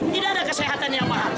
tidak ada kesehatan yang mahal